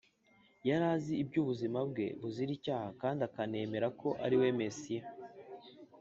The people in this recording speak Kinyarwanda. . Yari azi iby’ubuzima bwe buzira icyaha, kandi akanemera ko ariwe Mesiya ;